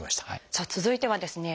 さあ続いてはですね